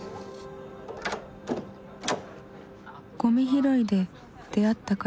ゴミ拾いで出会った彼。